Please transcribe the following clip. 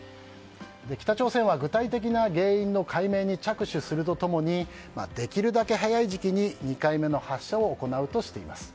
北朝鮮は具体的な原因の解明に着手すると共にできるだけ早い時期に２回目の発射を行うとしています。